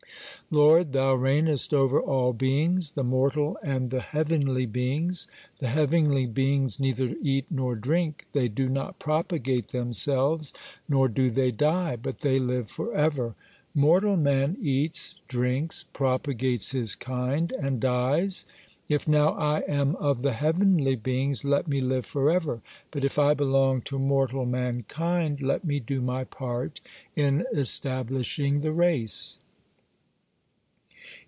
Lord, Thou reignest over all beings, the mortal and the heavenly beings. The heavenly beings neither eat nor drink, they do not propagate themselves, nor do they die, but they live forever. Mortal man eats, drinks, propagates his kind and dies. If, now, I am of the heavenly beings, let me live forever. But if I belong to mortal mankind, let me do my part in establishing the race."